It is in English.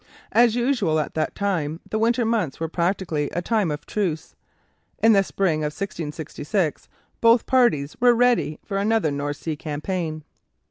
As usual at that time, the winter months were practically a time of truce. In the spring of 1666 both parties were ready for another North Sea campaign.